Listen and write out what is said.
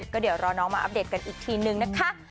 ก็เดี๋ยวรอน้องมาอัปเดตกันอีกทีนึงนะคะ